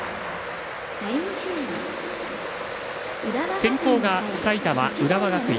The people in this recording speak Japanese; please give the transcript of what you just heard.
先攻が埼玉、浦和学院。